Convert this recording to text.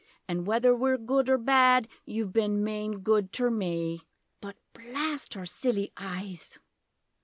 An' whether we're good or bad You've bin maain good ter me. But blast 'er silly eyes!